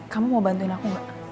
kamu mau bantuin aku gak